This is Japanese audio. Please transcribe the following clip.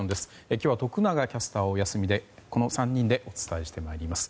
今日は徳永キャスターはお休みでこの３人でお伝えしてまいります。